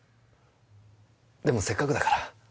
でもせっかくだから。